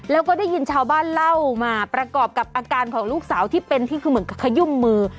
แล้วก็ได้ยินชาวบ้านเล่ามาประกอบกับอาการของลูกสาวที่เป็นที่คือเหมือนกับขยุ่มมือ